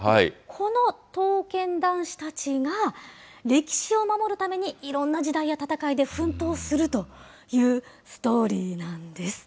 この刀剣男士たちが、歴史を守るためにいろんな時代や戦いで、奮闘するというストーリーなんです。